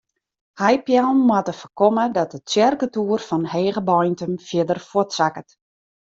Heipeallen moatte foarkomme dat de tsjerketoer fan Hegebeintum fierder fuortsakket.